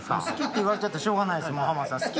好きって言われちゃったらしょうがないです浜田さん。